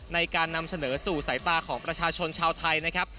ในการนำเสนอสู่สายตาของประชาชนชาวไทยนะครับ